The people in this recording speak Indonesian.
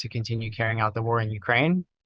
yang bisa dia dipasang untuk meneruskan perang di ukraina